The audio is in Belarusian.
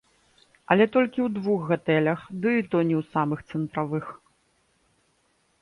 Але толькі ў двух гатэлях, ды і то не ў самых цэнтравых.